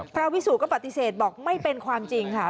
พระวิสุก็ปฏิเสธบอกไม่เป็นความจริงค่ะ